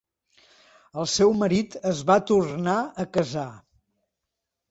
El seu marit es va tornar a casar.